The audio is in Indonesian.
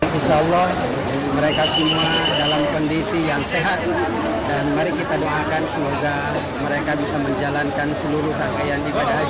jemaah haji yang meninggal itu kemarin di kloter satu orang